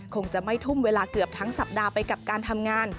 คงจะไม่ทุ่มเวลาเกือบทั้งสัปดาห์ไปกับการทำงาน